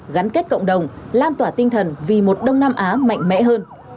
gắn kết cộng đồng lan tỏa tinh thần vì một đông nam á mạnh mẽ hơn